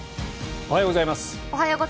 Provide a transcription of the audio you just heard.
おはようございます。